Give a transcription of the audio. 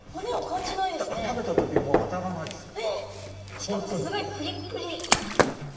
しかもすごいプリップリ！